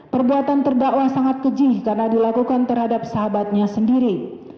perbuatan terdakwa sangat kejih karena dilakukan terhadap sahabatnya sendiri